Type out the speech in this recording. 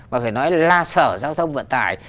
mà phải nói là sở giao thông vận tải